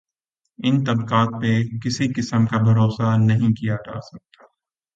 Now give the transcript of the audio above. ان طبقات پہ کسی قسم کا بھروسہ نہیں کیا جا سکتا۔